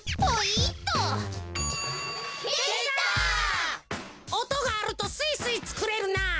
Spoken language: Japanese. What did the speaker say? おとがあるとすいすいつくれるな！